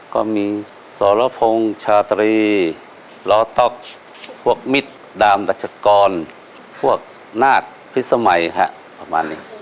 ก็มีสรพงศ์ชาตรีล้อต๊อกพวกมิตรดามดัชกรพวกนาฏพิสมัยประมาณนี้